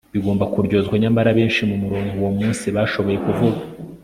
bigomba kuryozwa, nyamara benshi mumurongo uwo munsi bashoboye kuvuga